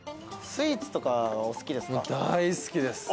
スイーツとかお好きですか？